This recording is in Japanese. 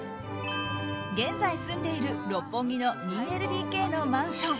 現在住んでいる六本木の２ＬＤＫのマンション